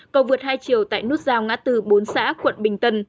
cầu vượt hai chiều tại nút giao ngã tư bốn xã quận bình tân